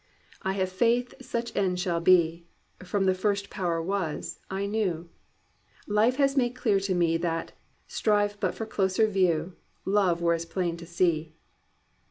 "I have faith such end shall be: From the first Power was — I knew. Life has made clear to me That, strive but for closer view. Love were as plain to see.